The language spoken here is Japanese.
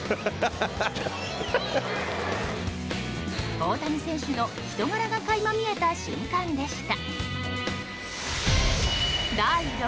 大谷選手の人柄が垣間見えた瞬間でした。